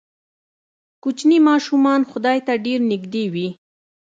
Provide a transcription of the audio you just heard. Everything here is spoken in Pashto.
کوچني ماشومان خدای ته ډېر نږدې وي.